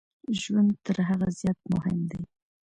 ژوند تر هغه زیات مهم دی.